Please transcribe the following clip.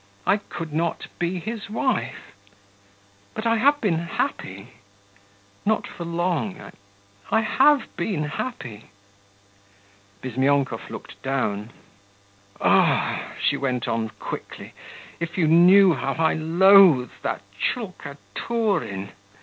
I could not be his wife; but I have been happy ... not for long ... I have been happy ...' Bizmyonkov looked down. 'Ah,' she went on quickly, 'if you knew how I loathe that Tchulkaturin